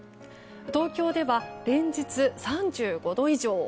東京では連日３５度以上。